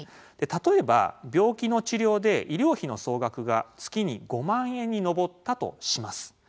例えば、病気の治療で医療費の総額が月に５万円に上ったとします。